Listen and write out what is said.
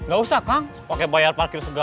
gak usah kang pakai bayar parkir segar